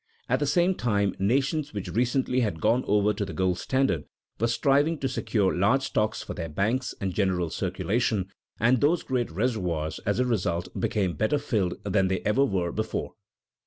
At the same time, nations which recently had gone over to the gold standard were striving to secure large stocks for their banks and general circulation, and those great reservoirs, as a result, became better filled than they ever were before.